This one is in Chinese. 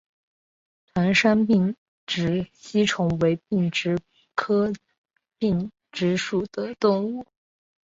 团山并殖吸虫为并殖科并殖属的动物。